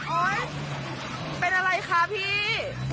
โอ๊ยเป็นอะไรคะพี่